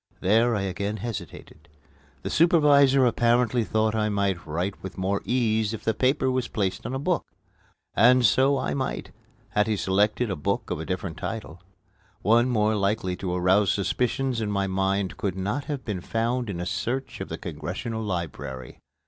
There I again hesitated. The supervisor apparently thought I might write with more ease if the paper were placed on a book. And so I might, had he selected a book of a different title. One more likely to arouse suspicions in my mind could not have been found in a search of the Congressional Library.